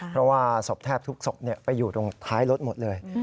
เพราะว่าศพแทบทุกศพไปอยู่ตรงท้ายรถหมดเลย